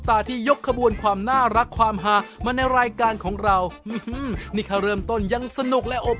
มาสอนแม่หนูว่าจะทำอะไรก็แล้วแต่